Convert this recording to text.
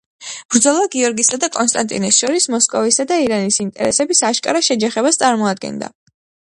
ბრძოლა გიორგისა და კონსტანტინეს შორის მოსკოვისა და ირანის ინტერესების აშკარა შეჯახებას წარმოადგენდა.